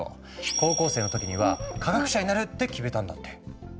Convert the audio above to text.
高校生の時には「科学者になる！」って決めたんだって。